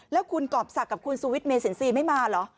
แล้วคุณกรอบศักดิ์กับคุณสุวิทยเมสินทรีย์ไม่มาเหรอ